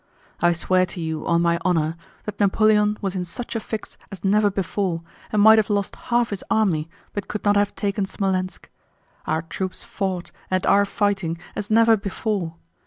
I swear to you on my honor that Napoleon was in such a fix as never before and might have lost half his army but could not have taken Smolénsk. Our troops fought, and are fighting, as never before.